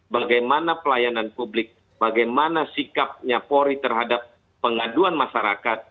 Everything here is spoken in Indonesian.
bagaimana pelayanan publik bagaimana sikapnya polri terhadap pengaduan masyarakat